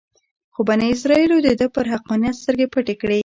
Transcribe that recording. خو بني اسرایلو دده پر حقانیت سترګې پټې کړې.